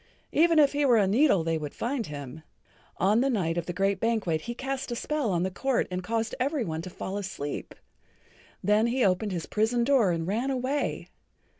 Even if he were a needle they would find him. On the night of the great banquet he cast a spell on the court and caused every one to fall asleep. Then he opened his prison door and ran away.